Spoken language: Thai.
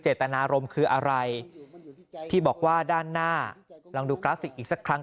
ตนารมณ์คืออะไรที่บอกว่าด้านหน้าลองดูกราฟิกอีกสักครั้ง